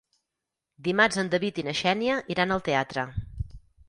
Dimarts en David i na Xènia iran al teatre.